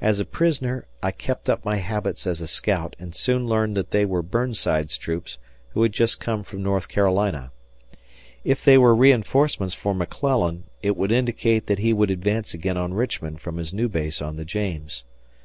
As a prisoner I kept up my habits as a scout and soon learned that they were Burnside's troops who had just come from North Carolina. If they were reinforcements for McClellan, it would indicate that he would advance again on Richmond from his new base on the James.